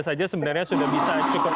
saja sebenarnya sudah bisa cukup